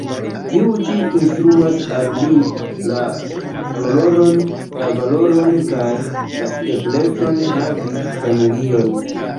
Tiu ĉi instruas al li la valorojn kaj la eblecon havi familion.